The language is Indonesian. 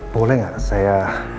boleh gak saya